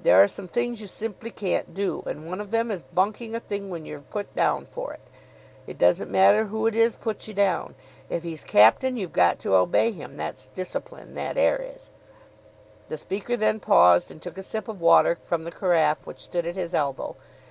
There are some things you simply can't do; and one of them is bunking a thing when you're put down for it. It doesn't matter who it is puts you down. If he's captain, you've got to obey him. That's discipline, that 'ere is. The speaker then paused, and took a sip of water from the carafe which stood at his elbow.